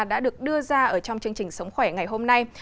đã được đưa ra ở trong chương trình sống khỏe ngày hôm nay